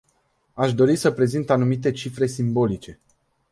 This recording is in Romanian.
Aș dori să prezint anumite cifre simbolice.